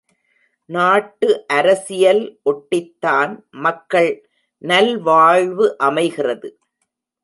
நாட்டு அரசியல் ஒட்டித்தான் மக்கள் நல்வாழ்வு அமைகிறது.